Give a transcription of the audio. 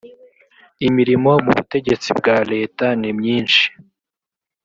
imirimo mu butegetsi bwa leta nimyinshi